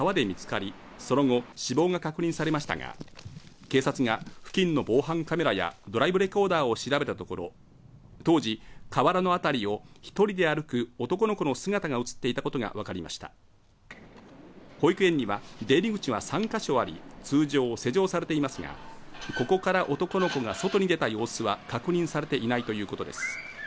おととい男の子は保育園近くの川で見つかりその後死亡が確認されましたが警察が付近の防犯カメラやドライブレコーダーを調べたところ当時瓦の辺りを一人で歩く男の子の姿が映っていたことが分かりました保育園には出入口は３箇所あり通常施錠されていますがここから男の子が外に出た様子は確認されていないということです